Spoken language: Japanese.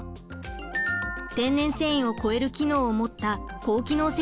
天然繊維を超える機能を持った高機能性